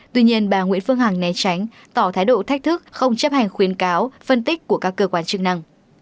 tuy nhiên bà nguyễn phương hằng né tránh tỏ thái độ thách thức không chấp hành khuyến cáo phân tích của các cơ quan chức năng